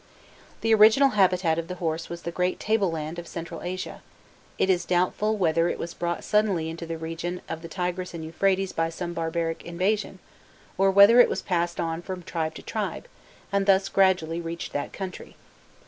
The original habitat of the horse was the great table lands of Central Asia: it is doubtful whether it was brought suddenly into the region of the Tigrus and Euphrates by some barbaric invasion, or whether it was passed on from tribe to tribe, and thus gradually reached that country.